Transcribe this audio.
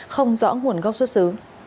không rõ nguồn gốc xuất xứ